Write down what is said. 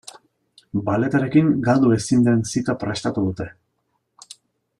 Balletarekin galdu ezin den zita prestatu dute.